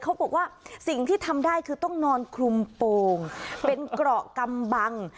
เขาบอกว่าสิ่งที่ทำได้คือต้องนอนคลุมโป่งเป็นเกราะกำบัง